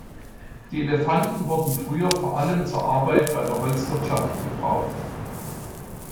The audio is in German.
Die Elefanten wurden früher vor allem zur Arbeit bei der Holzwirtschaft gebraucht.